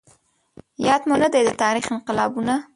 ياد مو نه دي د تاريخ انقلابونه